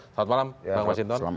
selamat malam bang masinton